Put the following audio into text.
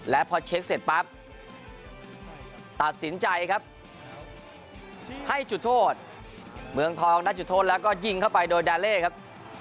และพอเช็คเสร็จปั๊บตัดสินใจครับให้จุดโทษเมืองทองนัดจุดโทษแล้วก็ยิงเข้าไปโดยดาเล่ครับ